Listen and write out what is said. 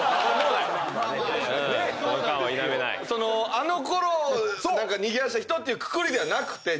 あのころにぎわした人っていうくくりではなくて実は。